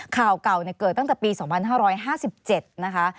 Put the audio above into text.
ข่าวเก่าเกิดตั้งแต่ปี๒๕๕๗นะคะ